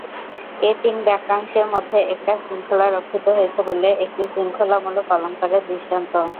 এ তিন বাক্যাংশের মধ্যে একটা শৃঙ্খলা রক্ষিত হয়েছে বলে এটি শৃঙ্খলামূলক অলঙ্কারের দৃষ্টান্ত।